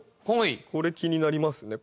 これ気になりますね。